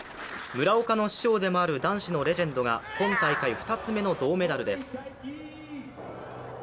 村岡の師匠でもある男子のレジェンドが今大会２つ目の銅メダルです。